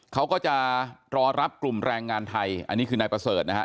เขาก็จะรอรับกลุ่มแรงงานไทยอันนี้คือนายประเสริฐนะฮะ